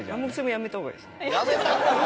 「やめた方がいい」って。